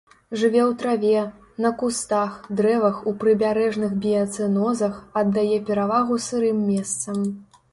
Жыве ў траве, на кустах, дрэвах у прыбярэжных біяцэнозах, аддае перавагу сырым месцам.